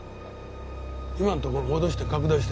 今んところ戻して拡大して。